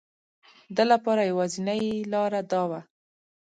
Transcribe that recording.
ده لپاره یوازینی لاره دا وه.